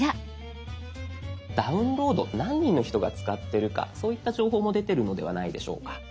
「ダウンロード」何人の人が使ってるかそういった情報も出てるのではないでしょうか。